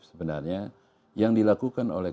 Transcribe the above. sebenarnya yang dilakukan oleh